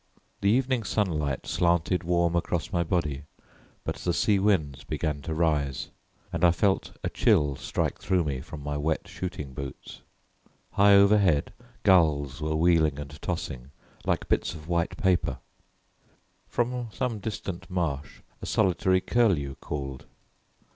The evening sunlight slanted warm across my body, but the sea winds began to rise, and I felt a chill strike through me from my wet shooting boots. High overhead gulls were wheeling and tossing like bits of white paper; from some distant marsh a solitary curlew called.